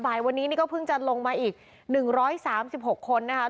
บ่ายวันนี้นี่ก็เพิ่งจะลงมาอีก๑๓๖คนนะคะ